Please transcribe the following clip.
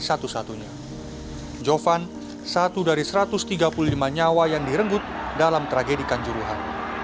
satu satunya jovan satu dari satu ratus tiga puluh lima nyawa yang direnggut dalam tragedi kanjuruhan